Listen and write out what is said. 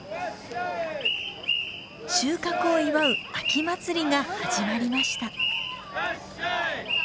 収穫を祝う秋祭りが始まりました。